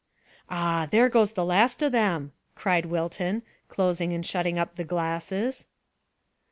"Ah, there goes the last of them," cried Wilton, closing and shutting up the glasses.